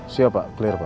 siap pak clear pak